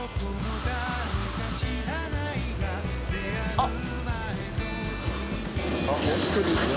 あっ！